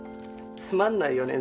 つまんないよね